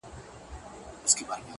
خوله يوه ښه ده! خو خبري اورېدل ښه دي!